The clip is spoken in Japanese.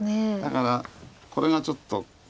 だからこれがちょっと。